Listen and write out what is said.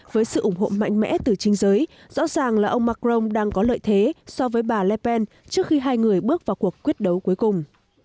với sự ủng hộ mạnh mẽ từ chính giới rõ ràng là ông macron đang có lợi thế so với bà lepen trước khi hai người bước vào cuộc quyết đấu cuối cùng